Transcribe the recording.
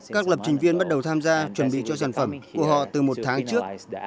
các lập trình viên bắt đầu tham gia chuẩn bị cho sản phẩm của họ từ một tháng trước